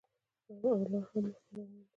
او لا هم مخکې روان دی.